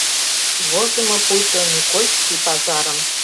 Возымо пуйто Никольский пазарым